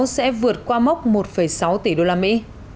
sẽ vượt qua mốc một sáu tỷ đô la mỹ